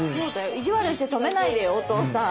意地悪して止めないでよお父さん。